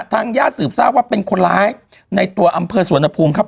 ทางญาติสืบทราบว่าเป็นคนร้ายในตัวอำเภอสวนภูมิครับ